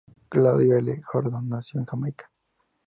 Claudia L. Gordon nació en Jamaica.